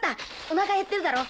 おなかへってるだろ？